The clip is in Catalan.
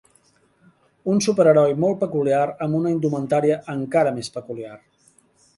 Un superheroi molt peculiar amb una indumentària encara més peculiar.